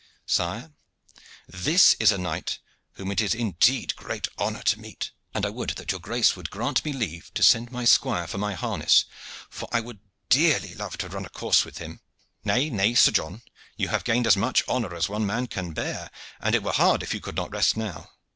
"Sire, this is a knight whom it is indeed great honor to meet, and I would that your grace would grant me leave to send my squire for my harness, for I would dearly love to run a course with him." "Nay, nay, Sir John, you have gained as much honor as one man can bear, and it were hard if you could not rest now.